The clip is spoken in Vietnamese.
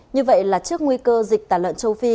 như vậy là trước nguy cơ dịch tả lợn châu phi